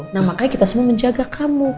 nah makanya kita semua menjaga kamu